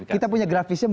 kita punya grafisnya